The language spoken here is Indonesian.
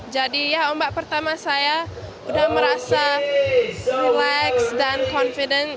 ya ombak pertama saya udah merasa relax dan confident